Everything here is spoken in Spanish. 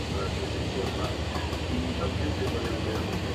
Fue nombrado Garuda en homenaje al semidiós hindú llamado Garuda.